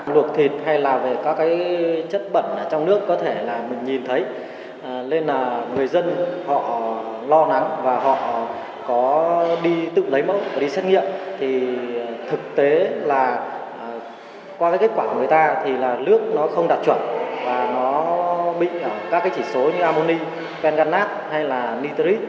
luộc thịt hay là về các cái chất bẩn ở trong nước có thể là mình nhìn thấy nên là người dân họ lo nắng và họ có đi tự lấy mẫu và đi xét nghiệm thì thực tế là qua cái kết quả của người ta thì là nước nó không đạt chuẩn và nó bị các cái chỉ số như ammoni penganate hay là nitrate